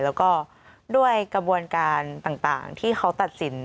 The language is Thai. แล้วก็ด้วยกระบวนการต่างที่เขาตัดสิน